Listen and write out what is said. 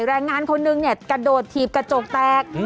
แรงงานคนนึงเนี่ยกระโดดถีบกระจกแตก